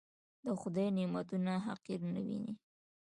د خدای نعمتونه حقير نه وينئ.